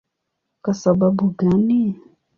Kwa sababu gani?